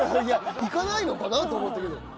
いやいかないのかなと思ったけど。